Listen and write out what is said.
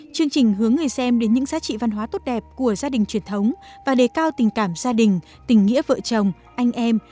chương trình hướng người xem đến những giá trị văn hóa tốt đẹp của gia đình truyền thống và đề cao tình cảm gia đình tình nghĩa vợ chồng anh em